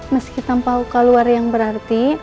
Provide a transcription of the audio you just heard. meski tanpa luka luar yang berarti